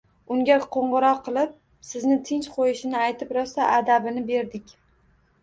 Unga qo'ng'iroq qilib sizni tinch qo'yishini aytib rosa adabini berdik